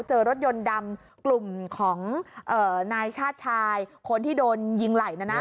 เจอรถยนต์ดำกลุ่มของนายชาติชายคนที่โดนยิงไหล่นะนะ